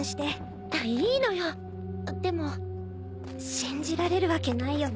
信じられるわけないよね。